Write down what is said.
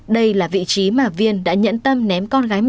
đây là vị trí mà viên đã nhẫn tâm ném con gái một